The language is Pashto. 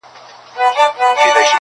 د ترکيب څخه